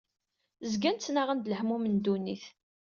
Zgan ttnaɣen d lehmum n dunnit.